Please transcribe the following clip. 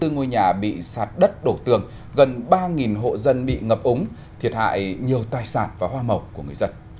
bốn mươi ngôi nhà bị sạt đất đổ tường gần ba hộ dân bị ngập úng thiệt hại nhiều tài sản và hoa màu của người dân